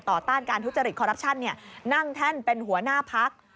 ต่อต้านการทุจริตคอรับชั่นนี่นั่งแท่นเป็นหัวหน้าภักดิ์